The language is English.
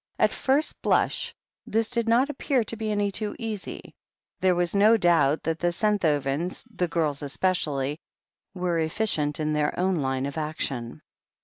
At first blush, this did not appear to be any too easy. There was no doubt that the Senthovens, the girls es pecially, were efficient in their own line of action.